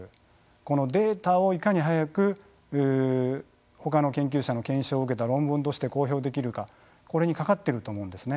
このデータをいかに早くほかの研究者の検証を受けた論文として公表できるかこれにかかっていると思うんですね。